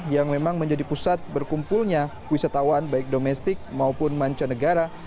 yang memang menjadi pusat berkumpulnya wisatawan baik domestik maupun mancanegara